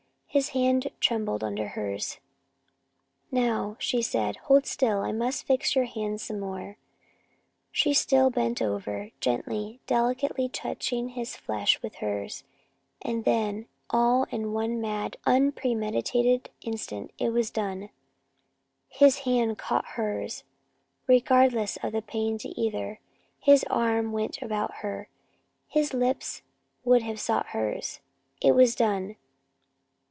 His hand trembled under hers. "Now," she said, "hold still. I must fix your hand some more." She still bent over, gently, delicately touching his flesh with hers. And then all in one mad, unpremeditated instant it was done! His hand caught hers, regardless of the pain to either. His arm went about her, his lips would have sought hers. It was done!